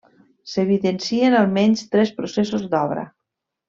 S'evidencien almenys tres processos d'obra.